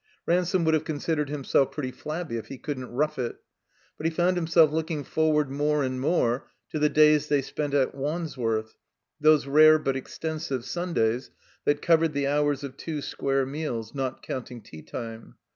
Ransome would have considered himself "pretty flabby" if he couldn't rough it. But he foimd himsdf looking forward more and more to the days they spent at Wandsworth, those rare but extensive Simdays that covered the hours of two square meals, not cotmting tea time.